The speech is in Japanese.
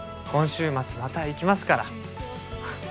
今週末また行きますから。